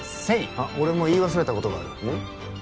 セイ俺も言い忘れたことがあるうん？